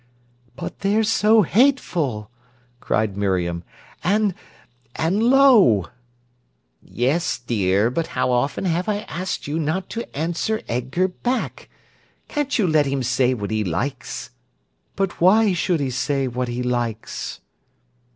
"But they're so hateful!" cried Miriam, "and—and low." "Yes, dear. But how often have I asked you not to answer Edgar back? Can't you let him say what he likes?" "But why should he say what he likes?"